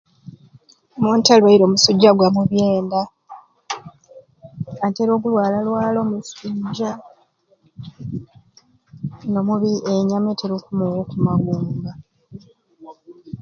Omuntu alwaire omusujja gwamubyenda ateera okulwalalwala omusujja nomubi enyama eteera okumuwa okumagumba.